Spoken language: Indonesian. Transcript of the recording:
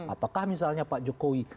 apakah misalnya pak jokowi